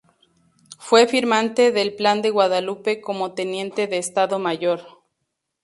Fue firmante del Plan de Guadalupe como teniente de Estado Mayor.